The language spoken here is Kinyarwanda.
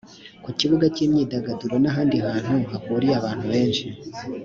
ku kibuga cy’imyidagaduro n’ahandi hantu hahuriye abantu benshi